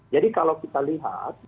jadi kalau kita lihat